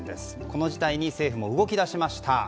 この事態に政府も動き出しました。